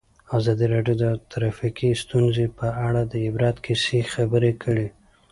ازادي راډیو د ټرافیکي ستونزې په اړه د عبرت کیسې خبر کړي.